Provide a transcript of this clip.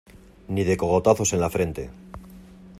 ni de cogotazos en la frente.